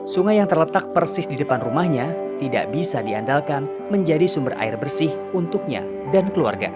sungai yang terletak persis di depan rumahnya tidak bisa diandalkan menjadi sumber air bersih untuknya dan keluarga